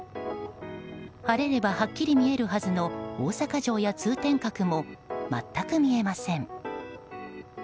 晴れればはっきり見えるはずの大阪城や通天閣も全く見えません。